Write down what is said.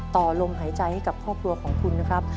ต่อลมหายใจให้กับครอบครัวของคุณนะครับ